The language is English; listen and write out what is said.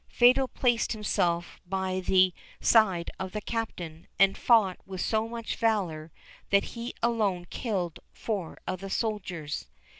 Fatal placed himself by the side of the Captain, and fought with so much valour that he alone killed four of the soldiers.